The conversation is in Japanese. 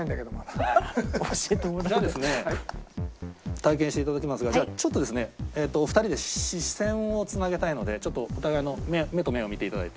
体験していただきますがちょっとですね２人で視線をつなげたいのでお互いの目と目を見ていただいて。